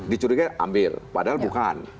dicurigai ambil padahal bukan